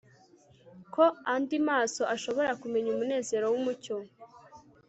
ko andi maso ashobora kumenya umunezero wumucyo